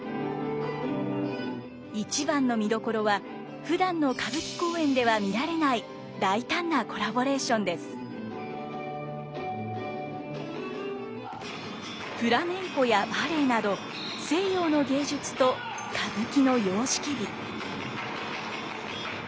一番の見どころはふだんの歌舞伎公演では見られないフラメンコやバレエなど西洋の芸術と歌舞伎の様式美。